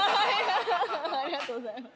ありがとうございます。